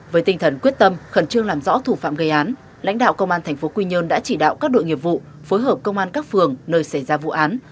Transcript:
với tinh thần quyết tâm khẩn trương làm rõ thủ phạm gây án lãnh đạo công an tp quy nhơn đã chỉ đạo các đội nghiệp vụ phối hợp công an các phường nơi xảy ra vụ án